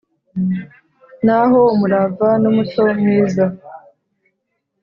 n'aho umurava n'umuco myiza